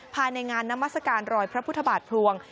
ภายในงานนามัศกาลรอยพระพุทธบาทพลวง